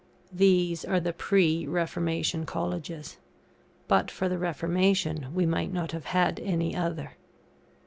These are the pre Reformation colleges; but for the Reformation, we might not have had any other.